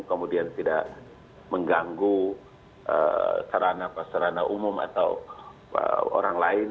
kemudian tidak mengganggu sarana pasarana umum atau orang orang